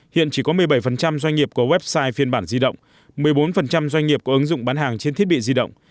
hiện chỉ có một mươi bảy doanh nghiệp có website phiên bản di động một mươi bốn doanh nghiệp có ứng dụng bán hàng trên thiết bị di động